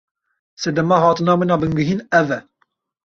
Sedema hatina min a bingehîn ev e.